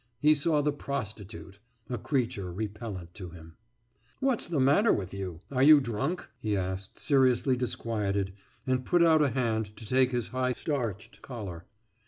He saw the prostitute a creature repellant to him. »What's the matter with you? Are you drunk?« he asked, seriously disquieted, and put out a hand to take his high starched collar.